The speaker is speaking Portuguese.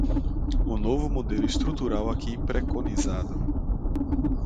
O novo modelo estrutural aqui preconizado